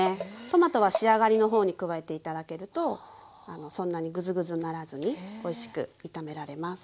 トマトは仕上がりの方に加えて頂けるとそんなにぐずぐずにならずにおいしく炒められます。